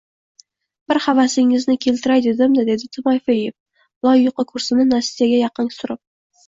Bir havasingizni keltiray dedim-da, – dedi Timofeev loy yuqi kursini Nastyaga yaqin surib.